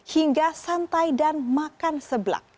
hingga santai dan makan sebelak